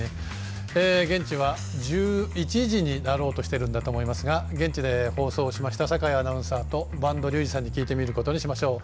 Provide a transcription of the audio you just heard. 現地は１１時になろうとしているんだと思いますが現地で放送している酒井アナウンサーと播戸竜二さんに聞いてみることにしましょう。